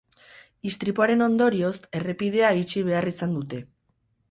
Istripuaren ondorioz errepidea itxi behar izan dute.